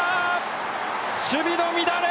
守備の乱れ！